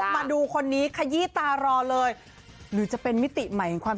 มาดูคนนี้ขยี้ตารอเลยหรือจะเป็นมิติใหม่ของความ